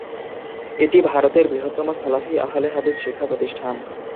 এটি ভারতের বৃহত্তম সালাফি আহলে হাদিস শিক্ষা প্রতিষ্ঠান।